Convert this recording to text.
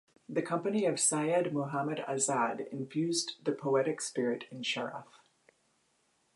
The company of Syed Muhammad Azad infused the poetic spirit in Sharaf.